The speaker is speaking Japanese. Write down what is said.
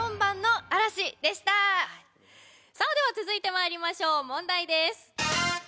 続いてまいりましょう、問題です。